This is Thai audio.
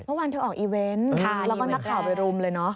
เมื่อวานเธอออกอีเวนต์แล้วก็นักข่าวไปรุมเลยเนอะ